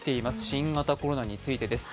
新型コロナについてです。